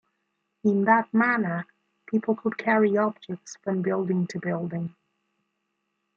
In that manner people could carry objects from building to building.